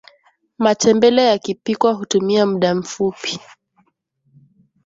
matembele yakipikwa hutumia mda mfupi